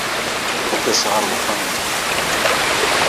Ad d-aseɣ ɣer wexxam-nnek.